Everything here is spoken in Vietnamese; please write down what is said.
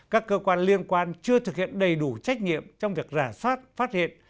các cơ quan liên quan chưa thực hiện đầy đủ trách nhiệm trong việc rà soát phát hiện